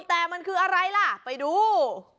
แต่มันคืออะไรล่ะไปดู